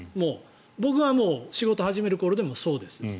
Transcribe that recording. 僕が仕事を始める頃でもそうです。